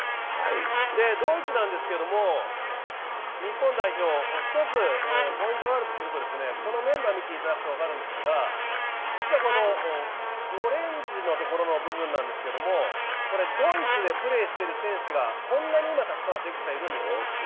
ドイツなんですけれども、日本代表一つポイントがあるとするとこのメンバー見ていただくと分かるんですが実はこのオレンジのところの部分、ドイツでプレーしている選手がこんなに今たくさんいるんです。